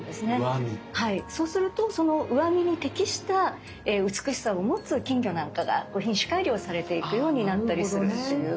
そうするとその上見に適した美しさを持つ金魚なんかが品種改良されていくようになったりするっていう。